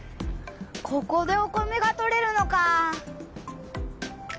ここでお米がとれるのかあ！